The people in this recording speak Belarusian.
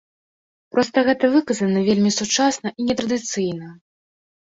Проста гэта выказана вельмі сучасна і нетрадыцыйна.